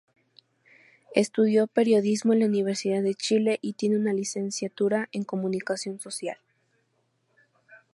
Estudió periodismo en la Universidad de Chile y tiene una Licenciatura en Comunicación Social.